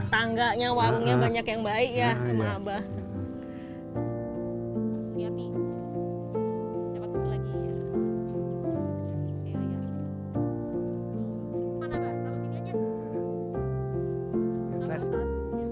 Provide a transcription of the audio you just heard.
tangganya warungnya banyak yang baik ya rumah abah